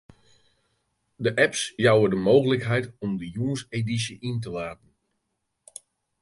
De apps jouwe de mooglikheid om de jûnsedysje yn te laden.